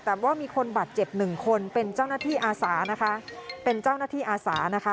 แต่ว่ามีคนบัดเจ็บหนึ่งคนเป็นเจ้าหน้าที่อาสานะคะ